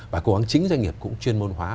và cố gắng chính doanh nghiệp cũng chuyên môn hóa